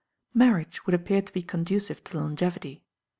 Marriage would appear to be conducive to longevity.